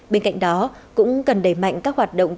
bên cạnh đó cũng cần đẩy mạnh các hoạt động